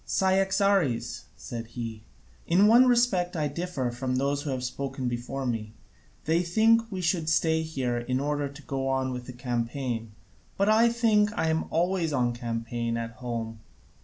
"Cyaxares," said he, "in one respect I differ from those who have spoken before me: they think we should stay here in order to go on with the campaign, but I think I am always on campaign at home.